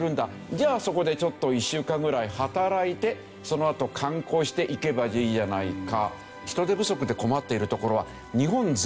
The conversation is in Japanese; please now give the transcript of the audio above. じゃあそこでちょっと１週間ぐらい働いてそのあと観光していけばいいじゃないか。